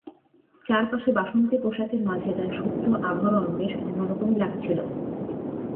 চারপাশে বাসন্তী পোশাকের মাঝে তাঁর শুভ্র আভরণ বেশ অন্য রকমই লাগছিল।